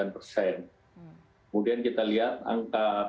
kemudian kita lihat angka